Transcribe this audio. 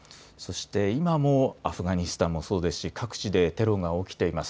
そして、今もアフガニスタンもそうですし各地でテロが起きています。